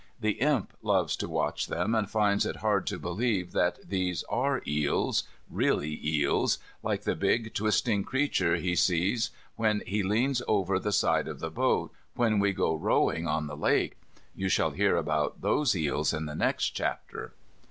The Imp loves to watch them, and finds it hard to believe that these are eels, really eels, like the big twisting creatures he sees when he leans over the side of the boat, when we go rowing on the lake. You shall hear about those eels in the next chapter.